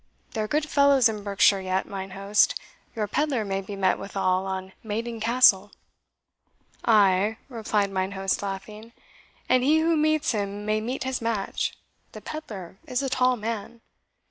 There are good fellows in Berkshire yet, mine host your pedlar may be met withal on Maiden Castle." "Ay," replied mine host, laughing, "and he who meets him may meet his match the pedlar is a tall man."